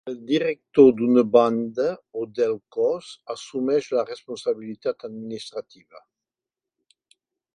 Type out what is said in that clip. El director d'una banda o del cos assumeix la responsabilitat administrativa.